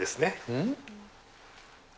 うん？